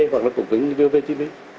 hoặc là của kênh vov tv